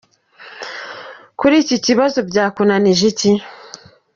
Kuri iki kibazo byakunanije iki ?”